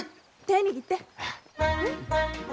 手握って。